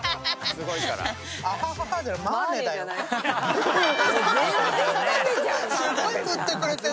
すごい振ってくれてるのに。